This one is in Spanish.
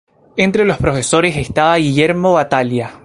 Entre los profesores estaba Guillermo Battaglia.